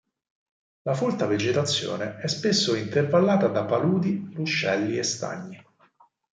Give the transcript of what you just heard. La folta vegetazione è spesso intervallata da paludi, ruscelli e stagni.